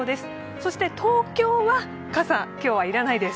そして東京は傘、今日は要らないです。